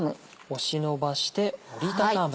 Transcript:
押しのばして折り畳む。